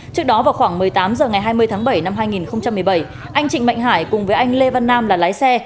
trước đó vào khoảng một mươi tám h ngày hai mươi tháng bảy năm hai nghìn một mươi bảy anh trịnh mạnh hải cùng với anh lê văn nam là lái xe